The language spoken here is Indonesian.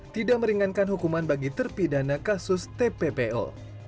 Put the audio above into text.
tidak meringankan hukuman bagi terpidana kasus tppo